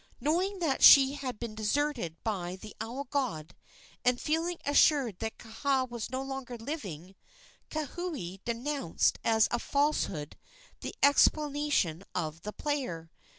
Knowing that she had been deserted by the owl god, and feeling assured that Kaha was no longer living, Kauhi denounced as a falsehood the explanation of the player.